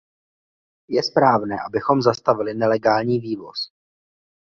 Je správné, abychom zastavili nelegální vývoz.